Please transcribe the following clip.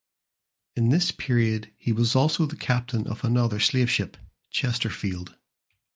In this period he was also the captain of another slave ship "Chesterfield".